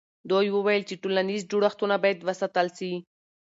دوی وویل چې ټولنیز جوړښتونه باید وساتل سي.